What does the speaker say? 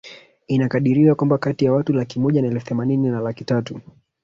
Inakadiriwa kwamba kati ya watu laki moja na elfu themanini na laki tatu